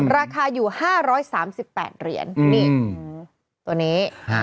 ราคาอยู่๕๓๘เหรียญนี่ตัวนี้